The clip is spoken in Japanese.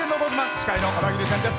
司会の小田切千です。